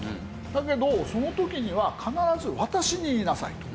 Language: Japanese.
だけどその時には必ず私に言いなさいと。